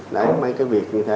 đấy mấy cái việc như thế